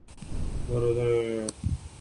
وہ زور سے ہنسی۔